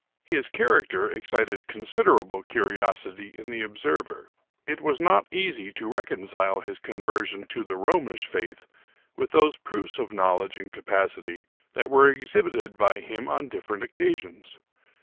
His character excited considerable curiosity in the ob server. It was not easy to reconcile his conversion to the Romish faith with those proofs of knowledge and capacity that were exhibited by him on different occasions.